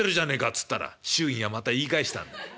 っつったら祝儀がまた言い返したんだよ。